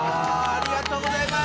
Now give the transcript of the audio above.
ありがとうございます！